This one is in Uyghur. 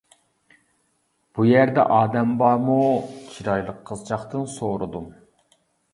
-بۇ يەردە ئادەم بارمۇ؟ چىرايلىق قىزچاقتىن سورىدىم.